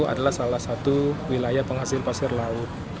adalah salah satu wilayah penghasil pasir laut